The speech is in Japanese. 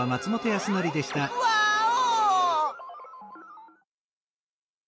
ワーオ！